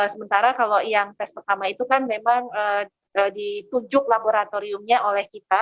sementara kalau yang tes pertama itu kan memang ditunjuk laboratoriumnya oleh kita